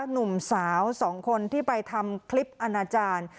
หนุ่มสาว๒คนที่ไปทำคลิปอนาจารย์